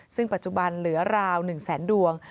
ซึ่งปัจจุบันเหลือราว๑แสนดวง